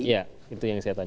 ya itu yang saya tanya